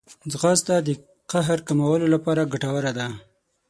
ځغاسته د قهر کمولو لپاره ګټوره ده